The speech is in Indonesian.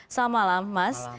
selamat malam mas